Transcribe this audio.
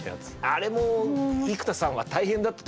あれも生田さんは大変だったと思いますよ。